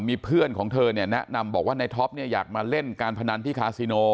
มีเพื่อนของเธอเนี่ยแนะนำบอกว่าในท็อปเนี่ยอยากมาเล่นการพนันที่คาซิโน